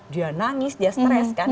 dia nangis dia stres kan